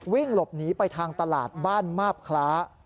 วิ่งหลบหนีไปทางตลาดบ้านมาบคล้า